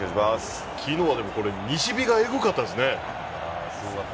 昨日は西日がえぐかったですね。